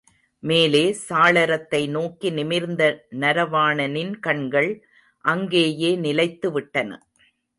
மேலே சாளரத்தை நோக்கி நிமிர்ந்த நரவாணனின் கண்கள் அங்கேயே நிலைத்துவிட்டன.